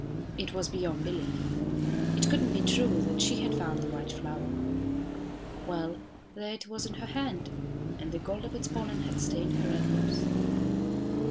It was beyond belief. It could not be true that she had found the white flower. Well, there it was in her hand, and the gold of its pollen had stained her red lips.